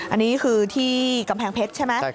อันนี้คือที่กำแพงเพชรใช่ไหม